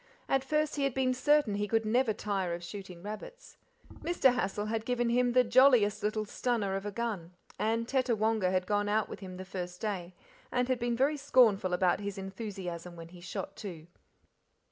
At first he had been certain he could never tire of shooting rabbits. Mr. Hassal had given him the "jolliest little stunner of a gun," and, Tettawonga had gone out with him the first day; and had been very scornful about his enthusiasm when he shot two.